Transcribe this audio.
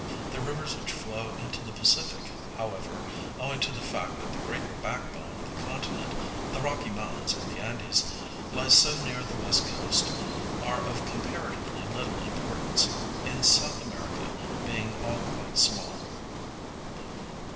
The rivers which flow into the Pacific, however, owing to the fact that the great backbone of the continent, the Rocky Mountains and the Andes, lies so near the west coast, are of comparatively little importance, in S. America being all quite small.